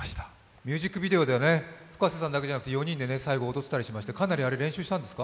ミュージックビデオではＦｕｋａｓｅさんだけではなくて、４人で最後踊っていたりして、あれはかなり練習したんですか？